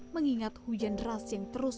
mengingat hujan deras yang terus